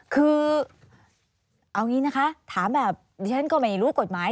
คือเอาอย่างนี้นะคะถามแบบดิฉันก็ไม่รู้กฎหมาย